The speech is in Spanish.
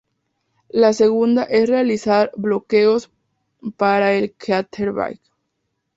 La segunda, es realizar bloqueos para el quarterback.